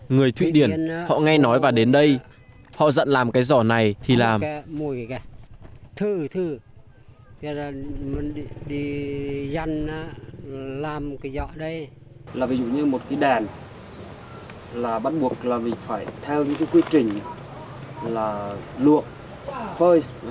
người thụy điển họ không biết họ không biết họ không biết họ không biết họ không biết